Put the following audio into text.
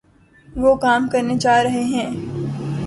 وہ کام کرنےجارہےہیں